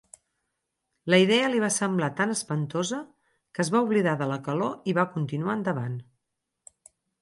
La idea li va semblar tan espantosa que es va oblidar de la calor i va continuar endavant.